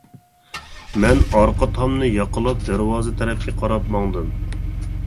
مەن ئارقا تامنى ياقىلاپ دەرۋازا تەرەپكە قاراپ ماڭدىم.